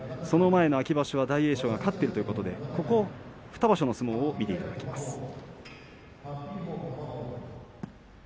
その前の秋場所は大栄翔が勝っているということで２場所の相撲を見ていきます。